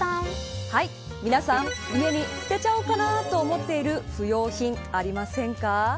皆さん、家に捨てちゃおうかなと思っている不用品、ありませんか。